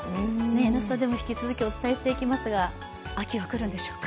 「Ｎスタ」でも引き続きお伝えしていきますが秋が来るんでしょうか。